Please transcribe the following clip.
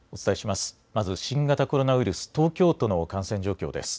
まず新型コロナウイルス、東京都の感染状況です。